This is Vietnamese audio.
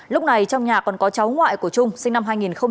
lúc này trong nhà còn có cháu ngoại của trung sinh năm hai nghìn một mươi